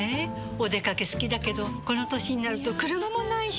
お出かけ好きだけどこの歳になると車もないし。